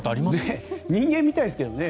人間みたいですけどね。